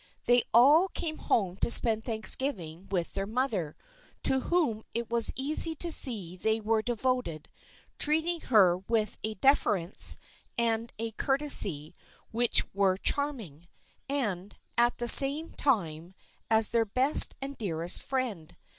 They all came home to spend Thanksgiving with their mother, to whom it was easy to see they were devoted, treating her with a deference and a courtesy which were charming, and at the same time as their best and dearest friend.